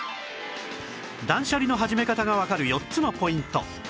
断捨離の始め方がわかる４つのポイント